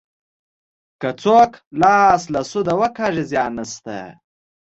که څوک لاس له سوده وکاږي زیان نشته.